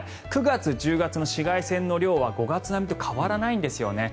９月、１０月の紫外線の量は５月並みと変わらないんですよね。